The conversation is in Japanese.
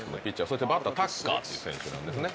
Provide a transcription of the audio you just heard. そしてバッタータッカーっていう選手なんですね。